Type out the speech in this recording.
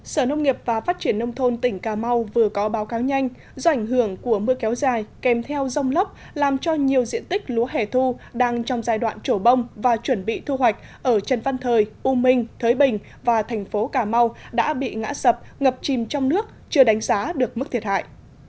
sở nông nghiệp và phát triển nông thôn tỉnh cà mau vừa có báo cáo nhanh do ảnh hưởng của mưa kéo dài kèm theo rông lốc làm cho nhiều diện tích lúa hẻ thu đang trong giai đoạn trổ bông và chuẩn bị thu hoạch ở trần văn thời u minh thới bình và thành phố cà mau đã bị ngã sập ngập chìm trong nước chưa đánh giá được mức thiệt hại